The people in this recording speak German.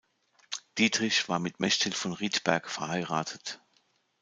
Dietrich war mit "Mechthild von Rietberg" verheiratet.